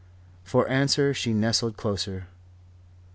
For answer she nestled closer.